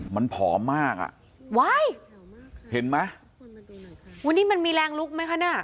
มันผอมมากอ่ะว้ายเห็นไหมวันนี้มันมีแรงลุกไหมคะเนี่ย